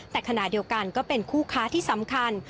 แต่ขณะเดียวกันก็เป็นคู่ค้าที่สำคัญ